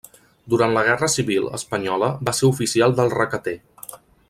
Durant la Guerra Civil espanyola va ser oficial del Requetè.